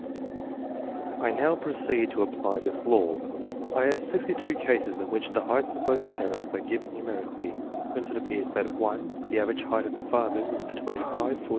I now proceed to apply this law, I have 62 cases in which the heights of both parents are given numerically, whence it appears that — (1) the average height of the fathers is between 5 ft.